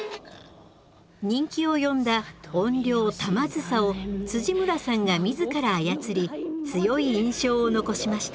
人気を呼んだ怨霊玉梓を村さんが自ら操り強い印象を残しました。